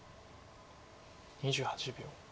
２８秒。